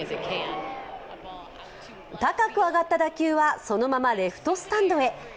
高く上がった打球は、そのままレフトスタンドへ。